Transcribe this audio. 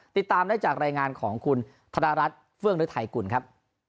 ติดตามได้จากรายงานของคุณธนรัฐเฟื่องฤทัยกุลครับ